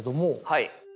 はい。